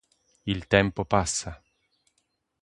Il tempo passa.